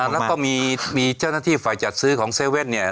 แล้วก็มีเจ้าหน้าที่ฝ่ายจัดซื้อของ๗๑๑เนี่ย